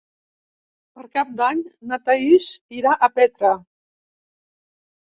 Per Cap d'Any na Thaís irà a Petra.